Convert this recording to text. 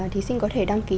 thí sinh có thể đăng ký